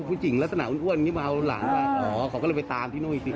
ทุกคนที่นี่บอกพี่มาที่นี่อีกรอบหนึ่งอะไรประมาณนี้เนี่ย